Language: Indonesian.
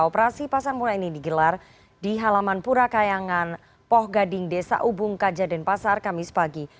operasi pasar murah ini digelar di halaman pura kayangan poh gading desa ubung kajaden pasar kamis pagi